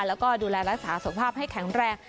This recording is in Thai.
แล้วก็ดูแลรักษาสุขภาพให้แข็งแรง